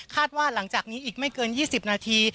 ว่าหลังจากนี้อีกไม่เกิน๒๐นาที